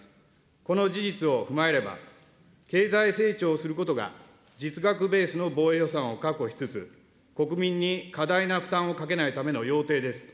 この事実を踏まえれば、経済成長をすることが実額ベースの防衛予算を確保しつつ、国民に過大な負担をかけないための要諦です。